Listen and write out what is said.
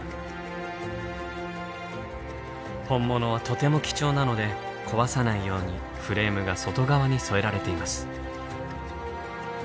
本物はとても貴重なので壊さないようにフレームが外側に添えられています。